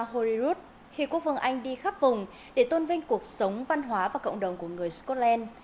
horirut khi quốc vương anh đi khắp vùng để tôn vinh cuộc sống văn hóa và cộng đồng của người scotland